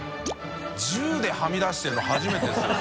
鼎はみ出してるの初めてですよね？